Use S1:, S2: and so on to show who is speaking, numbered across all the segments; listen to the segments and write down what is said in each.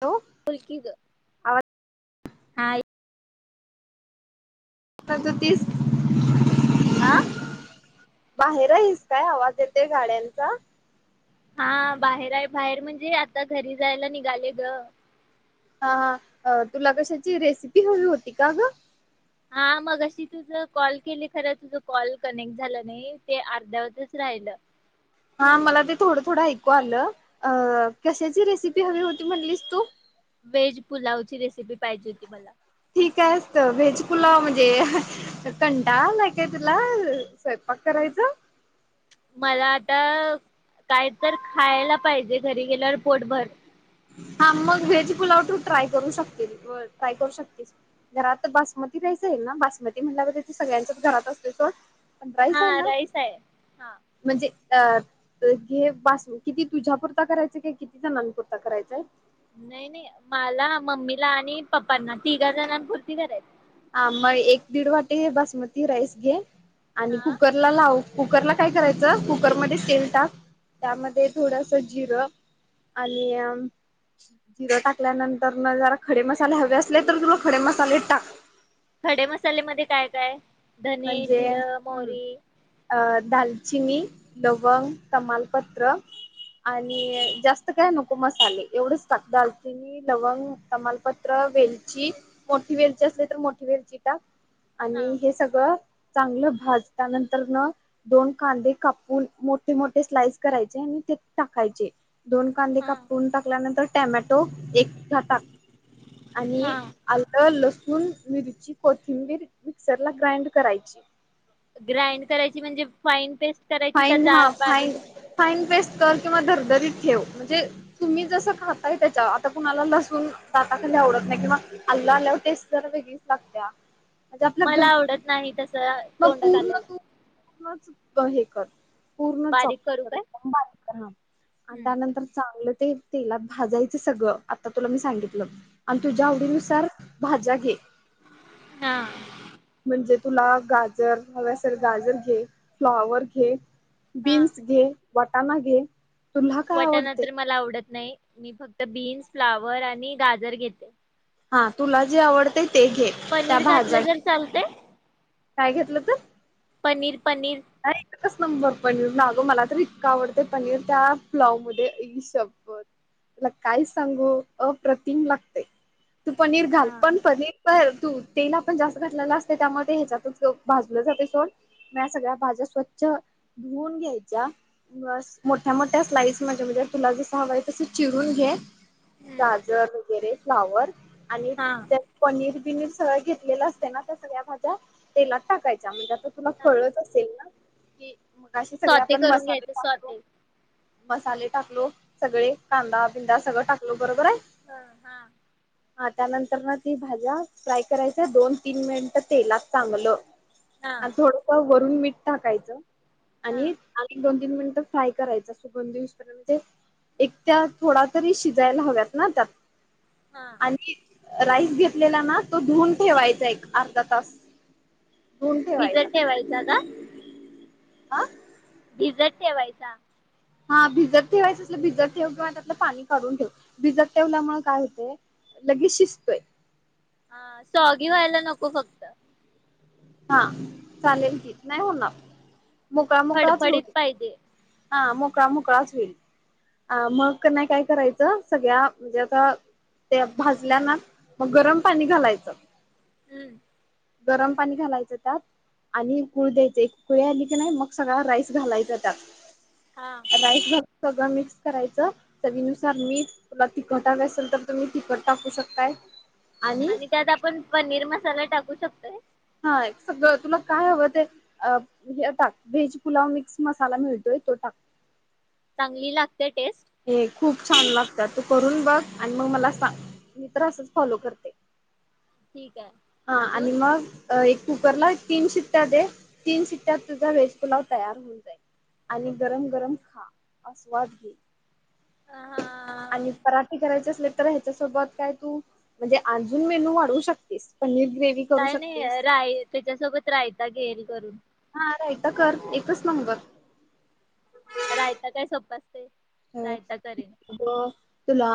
S1: ठेऊ?
S2: बोल की गं
S1: आवाज सदतीस
S2: आ?
S1: बाहेर आहीस काय? आवाज येतोय गाड्यांचा?
S2: हा, बाहेर आहे बाहेर म्हणजे आता घरी जायला निघाले ग.
S1: हा, हा अ तुला कशाची रेसिपी हवी होती का गं?
S2: हा, मगाशी तुझ कॉल केली खरं तुझ कॉल कनेक्ट झालं नाही ते अर्ध्यावतच राहिलं
S1: हा मला ते थोडं, थोडं ऐकू आलं. अ, कशाची रेसिपी हवी होती म्हटलीस तू?
S2: व्हेज पुलावची रेसिपी पाहिजे होती मला.
S1: ठीक आहेस त व्हेज पुलाव म्हणजे कंटाळा आलाय का तुला, स्वयंपाक करायचा?
S2: मला आता, काय तर खायला पाहिजे घरी गेल्यावर पोटभर.
S1: हा मग व्हेज पुलाव तू ट्राय करू शकतील, ट्राय करू शकतेस. घरात बासमती राईस आहे ना, बासमती तर सगळ्यांच्याच घरात असतोय सोड. राईस
S2: हा
S1: आहे ना
S2: आहे हा
S1: म्हणजे अ, हे भात, किती तुझ्यापुरता करायचं काय किती जणांनपुरतं करायचाय.
S2: नाही, नाही मला, मम्मीला आणि पप्पांना तिघा जणांनं पूर्ती करायचं
S1: हा म एक दीड वाटी बासमती राईस घे आणि
S2: हा
S1: कुकर लावू, कुकरला काय करायचं कुकरमध्ये तेल टाक त्यामध्ये थोडस जिरं आणि जिरं टाकल्यानंतरन जरा खडे मसाले हवे असले तर तुला खडे मसाले टाक.
S2: खडे मसाले मध्ये काय, काय धने,
S1: म्हणजे
S2: जिरं
S1: हम्म
S2: मोहरी
S1: अ, दालचिनी, लवंग, तमालपत्र आणि जास्त काय नको मसाले, एवढच टाक दालचिनी लवंग, तमालपत्र, वेलची मोठी वेलची असली तर मोठी वेलची टाक.
S2: हा
S1: आणि हे सगळं, चांगलं भाजल्यानंतरन दोन कांदे कापून मोठे, मोठे स्लाइस करायचे आणि ते टाकायचे. दोन कांदे
S2: हा
S1: कापून टाकल्यानंतर. टॅमॅटो एक छटाक आणि
S2: हा
S1: आलं, लसूण, मिरची, कोथिंबीर मिक्सर ला ग्राइंड करायची.
S2: ग्राइंड करायची म्हणजे? फाईन पेस्ट करायची का
S1: फाईन हा
S2: जाड
S1: फाईन.
S2: बारीक
S1: फाईन पेस्ट कर. किंवा दरदरीत ठेव. म्हणजे तुम्ही जसं खाताय त्याच्याव. आता कोणाला लसून दाताखाली आवडत नाही. किंवा अल्ल अल्याव टेस्ट जरा वेगळीच लागत्या. म्हणजे आपल्या
S2: मला
S1: घर
S2: आवडत नाही तस. तोंडात आलेलं.
S1: च हे कर. पूर्ण
S2: बारीक करू
S1: चॉककर.
S2: काय?
S1: एकदम बारीक. ह. आणि त्यानंतर चांगलं ते तेलात भाजायचं सगळं. आता तुला मी सांगितलं. आणि तुझ्या आवडीनुसार भाज्या घे.
S2: हा.
S1: म्हणजे तुला गाजर हवे असेल. गाजर घे. फ्लॉवर घे.
S2: हा
S1: बीन्स घे. वटाणा घे. तुला काय
S2: वटाणा
S1: आवडते
S2: तर मला आवडत नाही. मी फक्त बीन्स, फ्लावर आणि गाजर घेते.
S1: हा तुला जे आवडतय ते घे. त्या
S2: पनीर
S1: भाज्या
S2: घातलं तर चालतय?
S1: काय घातलं तर?
S2: पनीर पनीर.
S1: नाही एकच नंबर पनीर. नागो मला तर इतका आवडत पनीर. त्या पुलाव मध्ये. आई शपत. तुला काय सांगू? अप्रतिम लागतेय. तू पनीर घाल.
S2: हा
S1: पण पनीर तर तू तेल आपण जास्त घातलेलं असतय. त्यामध्ये ह्याच्यातच भाजलं जातय सोड. म्या सगळ्या भाज्या स्वच्छ धुवन घ्यायच्या. बस मोठ्या मोठ्या स्लाईस मध्ये. म्हणजे तुला जस हवाय तस चिरून घे.
S2: हा
S1: गाजर वगैरे फ्लावर. आणि त्यात पनीर बिनीर सगळं घेतलेलं असते ना. त्या सगळ्या भाज्या तेलात टाकायच्या. म्हणजे आ तर तुला
S2: हा
S1: कळलं असेल ना कि, मगाशी सगळे
S2: स्वते
S1: आपण
S2: करून
S1: मसाले
S2: घ्यायचं
S1: टाकतो.
S2: स्वते
S1: मसाले टाकलो सगळे. कांदा
S2: हा
S1: बिंदा सगळं टाकलो बरोबरे.
S2: हा
S1: हा त्यानंतर ना ती भाज्या फ्राय करायच. दोन तीन मिनिटं तेलात चांगलं.
S2: हा
S1: आणि थोडंस वरून मीठ टाकायचं.
S2: हा
S1: आणि एक दोन तीन मिनिटं फ्राय करायच. सुगंध येऊसपर्यंत ते. एक त्या् थोडा तरी शिजायला हव्यात ना त्यात.
S2: हा
S1: आणि राईस घेतलेला ना. तो धुवून ठेवायचा एक अर्धा तास. धुवून ठेवायचा
S2: भिजत ठेवायचा का?
S1: हा
S2: भिजत ठेवायचा.
S1: हा भिजत ठेवायचं असलं भिजत ठेव. किंवा त्यातील पाणी काढून ठेव. भिजत ठेवल्यामुळे काय होते? लगेच शिजतय.
S2: ह स्वागी व्हायला नको फक्
S1: हा चालेल की, नाही होणार. मोकळा मोकळाच
S2: फडफडीत
S1: होईल.
S2: पाहिजे
S1: हा मोकळा मोकळाच होईल. अ मग कनी काय करायचं? सगळ्या म्हणजे आता ते भाजल्या ना. मग गरम पाणी घालायचं.
S2: हम्म.
S1: गरम पाणी घालायचं त्यात. आणि उकळू द्यायचे. उकळी आली की नाही. मग सगळा राईस घालायचा त्यात.
S2: हा.
S1: राईस घालून सगळं मिक्स करायचं. चवीनुसार मीठ. तुला तिखट हवं असेल तर तुम्ही तिखट टाकू शकताय.
S2: आणि त्यात आपण पनीर मसाला टाकू शकतोय?
S1: हा सगळं तुला काय हवं ते. अ हे टाक, व्हेज पुलाव मिक्स मसाला मिळतोय तो टाक.
S2: चांगली लागते टेस्ट.?
S1: हम्म खूप छान लागतात तू करून बघ आणि मग मला सांग मी तर असंच फॉलो करते.
S2: ठीक आहे
S1: हा
S2: अजून
S1: आणि मग. एक कुकरला तीन शिट्ट्या दे, तीन शिट्ट्यात तुझा व्हेज पुलाव तयार होऊन जाईल. आणि गरम गरम खा आस्वाद घे.
S2: ह हा.
S1: आणि पराठे करायचे असले. तर हेच्या सोबत काय तू म्हणजे अजून मेनू वाढू शकतेस. पनीर ग्रेव्ही करू
S2: काय नाही,
S1: शकतेस
S2: राय त्याच्यासोबत रायता घेईल करून.
S1: हा रायता कर, एकच नंबर.
S2: रायता काय सोपं असतंय रायता करेन.
S1: अ तुला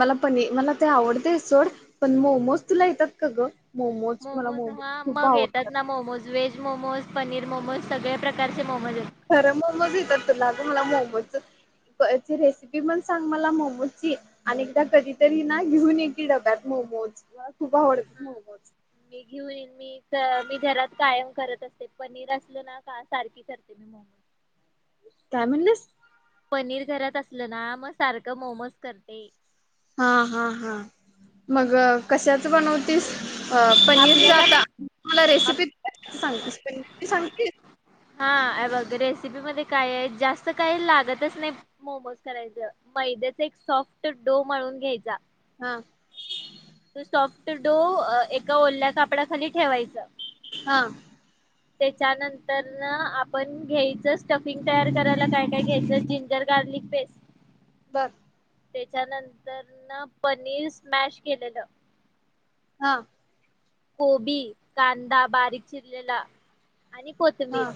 S1: मला पनी मला ते आवडते सोड. पण मोमोज तुला येतात का ग? मोमोज मला मोमोज
S2: हा
S1: खूप
S2: मग
S1: आव
S2: येतात ना मोमोज व्हेज मोमोज, पनीर मोमोज, सगळया प्रकारचे मोमोज येतात.
S1: खरं मोमोज येतात तुला, मला मोमोजच प् रेसिपी पण सांग मला मोमोजची. आणि एकदा कधीतरी ना घेऊन ये की डब्यात मोमोज, मला खूप आवडतात मोमोज.
S2: मी घेऊन येईन मी. मी घरात कायम करत असते, पनीर असल ना का सारखी करते मी मोमोज.
S1: काय म्हणलीस?
S2: पनीर घरात असलं ना मग सारखं मोमोज करते.
S1: हा हा हा मग कशाच बनवतेस? पनीर चं
S2: आपल्याला
S1: आता. मला रेसिपी [inaudible]
S2: हा हे बघ रेसिपी मध्ये काय आहे, जास्त काही लागतच नाही. मोमोज करायचं, मैद्याच एक सॉफ्ट डो मळून घ्यायचा.
S1: हा.
S2: तो सॉफ्ट डो एका ओल्या कापडाखाली ठेवायचा.
S1: हा.
S2: त्याच्यानंतर ना आपण घ्यायचं स्टफिंग तयार करायला काय काय घ्यायच? Ginger garlic paste.
S1: बरं.
S2: त्याच्यानंतर नर पनीर स्मॅश केलेलं.
S1: हा.
S2: कोबी, कांदा, बारीक चिरलेला. आणि कोथंबीर
S1: हा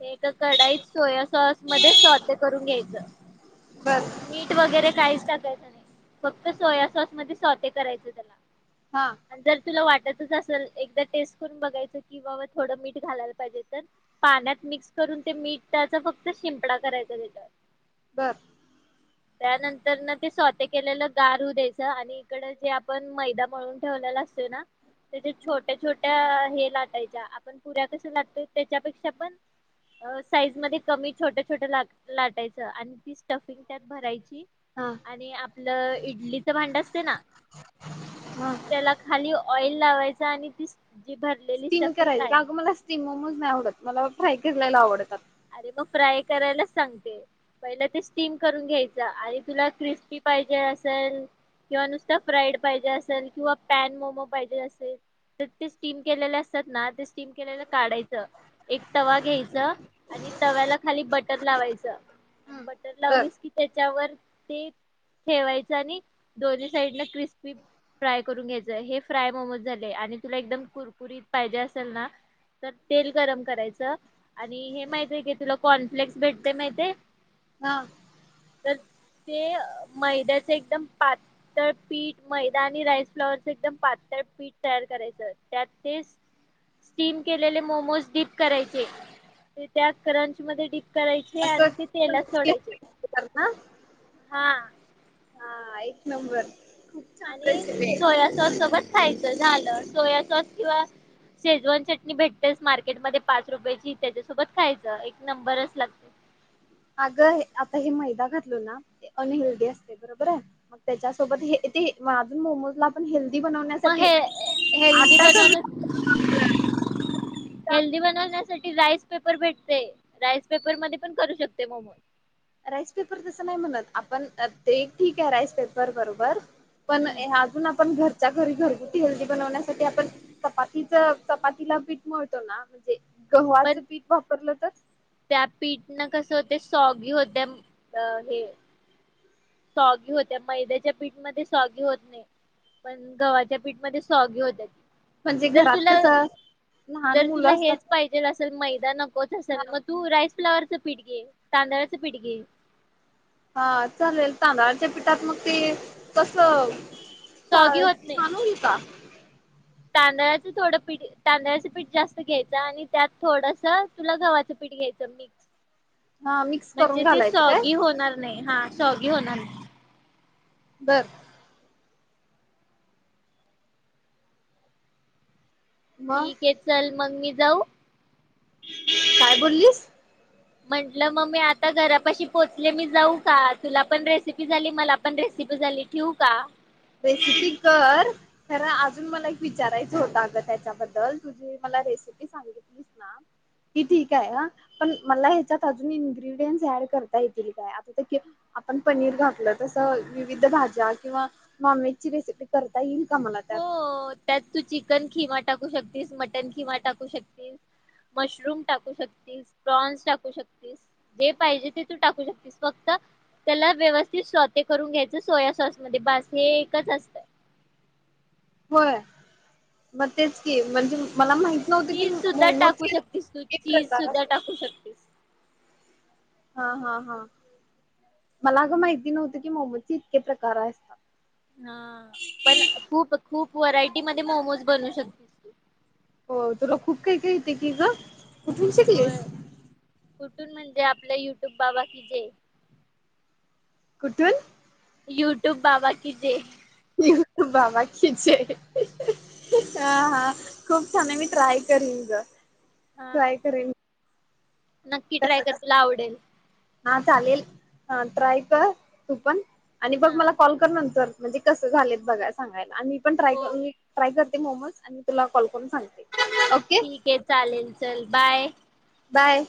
S2: हे एक कढाईत सोया सॉस मध्ये [unintelligible] करून घ्यायचं.
S1: बर.
S2: मीठ वगैरे काहीच टाकायचं नाही, फक्त सोया सॉस मध्ये स्वते करायचं त्याला.
S1: हा.
S2: आणि जर तुला वाटतच असल, एकदा टेस्ट करून बघायचं, की बाबा थोडं मीठ घालायला पाहिजे तर, पाण्यात मिक्स करून, ते मीठाचा फक्त शिंपडा करायचा त्याच्यावर.
S1: बर.
S2: त्यानंतर ना ते सोते केलेलं गार होऊ द्यायचं आणि इकडं जे आपण मैदा मळून ठेवलेला असतोय ना त्याच्या छोट्या छोट्या हे लाटायच्या, आपण पुऱ्या कसं लाटतोय त्याच्यापेक्षा पण अं साईज मध्ये कमी, छोट्या छोट्या ला लाटायचं आणि ती स्टफिंग त्यात भरायची.
S1: हा.
S2: आणि आपलं इडलीचं भांड असते ना,
S1: हा
S2: त्याला खाली ऑइल लावायचं आणि ती जी भरलेली स्टफिंग आहे
S1: ते मोमोज नाही आवडत, मला फ्राय केलेले आवडतात.
S2: अरे मग फ्राय करायलाच सांगतेय. पहिलं ते स्टीम करून घ्यायचं आणि तुला क्रिस्पी पाहिजे असेल? किंवा नुसतं पाहिजे फ्राईड पाहिजे असेल? किंवा पॅन मोमो पाहिजे असेल? तर ते स्टीम केलेले असतात ना, ते स्टीम केलेलं काढायचं, एक तवा घ्यायचं आणि तव्याला खाली बटर लावायचं आणि
S1: हम्म
S2: बटर
S1: बर
S2: लावलीस कि त्याच्यावर ते ठेवायचं आणि दोन्ही साईडला क्रिस्पी फ्राय करून घ्यायचं. हे फ्राय मोमोज झाले आणि तुला एकदम कुरकुरीत पाहिजे असेल ना? तर तेल गरम करायचं आणि हे माहितीय का तुला कॉनफ्लेक्स भेटतेय माहितेय?
S1: हा.
S2: तर ते मैद्याचे एकदम पात ळ पीठ, मैदा आणि राईस फ्लॉवरचे एकदम पातळ पीठ तयार करायचं, त्यात ते स्टीम केलेले मोमोज डीप करायचे, ते त्या क्रंचमध्ये डीप करायचे
S1: असं
S2: आणि ते तेलात सोडायचे,
S1: ना
S2: हा.
S1: हा, एक नंबर. छान
S2: आणि
S1: रेसिपी आहे
S2: सोया सॉस सोबत खायचं झालं. सोया सॉस किंवा शेजवान चटणी भेटतेस मार्केटमध्ये पाच रुपयाची, त्याच्यासोबत खायचं. एक नंबरच लाग
S1: अगं आता हे मैदा घातलो ना, हे अनहेल्दी असतंय. बरोबर आहे? मग त्याच्यासोबत हे ते मग अजून मोमोजला पण हेल्दी
S2: मग
S1: बनवण्यासाठी,
S2: हे हेल्दी
S1: आटा घालु
S2: बनवण्या
S1: शकत [unintelligible]
S2: हेल्दी बनवण्यासाठी राइस पेपर भेटतंय. राइस पेपरमध्ये पण करू शकतोय मोमोज.
S1: राइस पेपर तसं नाही म्हणत आपण, ते एक ठीक आहे राइस पेपर बरोबर. पण,
S2: हम्म.
S1: हे अजून आपण घर च्या घरी घरगुती हेल्दी बनवण्यासाठी आपण, चपातीचं चपातीला पीठ मिळतो ना?
S2: पण
S1: गव्हाचं पीट वापरलं तर?
S2: त्या पीठनं कसं होते सॉगी होतेय, अं हे सॉगी होत्या, मैद्याच्या पीठमध्ये सॉगी होत नाही. पण गव्हाच्या पीठमध्ये सॉगी होतेत.
S1: म्हणजे
S2: जर
S1: घरात
S2: तुला,
S1: कसं लहान
S2: जर तुला
S1: मुलं असतात
S2: हेच पाहि जेल असेल तर मैदा नकोच असलं, मग तू राईस फ्लाॉवरचं पीठ घे, तांदळाचं पीठ घे.
S1: हा चालेल, तांदळच्या पीठात मग ते कसं
S2: सॉगी
S1: चालेल
S2: होत नाही.
S1: छान होईल [unintelligible]
S2: तांदळाचं थोडं पीठ, तांदळाचं पीठ जास्त घ्यायचं आणि त्यात थोडसं तुला गव्हाचं पीठ घ्यायंच मिक्स
S1: [inaudible] मिक्स करून
S2: म्हणजे ते
S1: घालायचं काय?
S2: सॉगी होणार नाही, हा सॉगी होणार नाही.
S1: [inaudible] मग
S2: ठीक हे, चल मग मी जाऊ?
S1: काय बोललीस?
S2: म्हटलं मग मी आता घरापाशी पोचले मी जाऊ का? तुला पण रेसिपी झाली मला पण रेसीपी झाली. येऊ का?
S1: रेसिपी कर. खर अजून मला एक विचारायचं होत अगं त्याच्या बद्दल तु जे मला रेसिपी सांगीतलीस ह ती ठीक हाय हा. पण मला ह्याच्यात अजून इंग्रिडियन्स ॲड करता येतील काय? आता ते के आपण पनीर घातलं तसं विविध भाज्या किंवा नॉनव्हेज ची रेसिपी करता येईल का मला त्यात?
S2: हो त्यात तू चिकन खिमा टाकू शकतीस, मटण खिमा टाकू शकतीस. मशरूम टाकू शकतीस, प्रॉन्स टाकू शकतीस. जे पाहिजे ते तू टाकू शकतीस, फक्त त्याला व्यवस्थित [unintelligible] करून घ्यायचं सोया सॉस मध्ये बाकी हे एकच असतं.
S1: होय, मग तेच की म्हणजे मला माहित नव्हत की
S2: चीज सुद्धा टाकू
S1: मोमोचे [unintelligible]
S2: शकतीस तू
S1: तेच
S2: चीज
S1: प्रकार
S2: सुद्धा
S1: असत्यात
S2: टाकू शकतीस
S1: हा हा हा मला अगं माहिती नव्हतं की मोमचे इतके प्रकार असतात.
S2: हा पण खुप खूप व्हरायटी मध्ये मोमोज बनू शकत
S1: हो तुला खूप काही काही येतय की ग. कुठून
S2: होय,
S1: शिकलीस?
S2: कुठून म्हणजे आपलं युट्यूब बाबाकी जय.
S1: कुठून?
S2: युट्यूब बाबा कि जय!
S1: यूट्यूब बाबा की जेय! हा हा खूप छान! मी ट्राय करीन ग
S2: हा
S1: ट्राय करीन.
S2: नक्की ट्राय
S1: कसं
S2: कर तुला
S1: कसं
S2: आवडेल.
S1: हा चालेल, हा ट्राय कर तू पण आणि बघ
S2: हा.
S1: मला कॉल कर नंतर. म्हणजे कसं झालेत बघाय सांगाय, आम्ही पण ट्राय
S2: हो
S1: करूनी ट्राय करते मोमोज आणि तुला कॉल करून सांगते ओके
S2: ठिक आहे चालेल, चल बाय.
S1: बाय.